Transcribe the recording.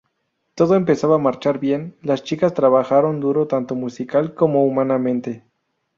Todo empezaba a marchar bien, las chicas trabajaron duro tanto musical como humanamente.